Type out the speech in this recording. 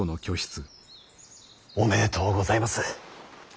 おめでとうございます。